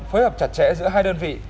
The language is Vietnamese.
phối hợp chặt chẽ giữa hai đơn vị